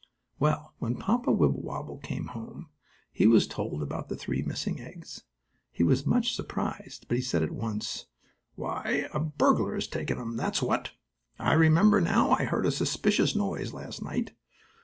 Well, when Papa Wibblewobble came home, he was told about the three missing eggs. He was much surprised, but he said at once: "Why, a burglar has taken them; that's what! I remember now I heard a suspicious noise last night.